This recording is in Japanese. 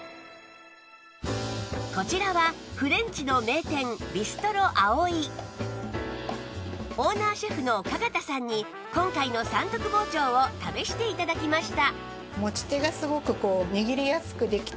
こちらはフレンチの名店オーナーシェフの加賀田さんに今回の三徳包丁を試して頂きました